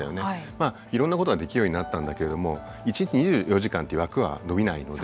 まあいろんなことができるようになったんだけれども一日２４時間っていう枠は延びないので。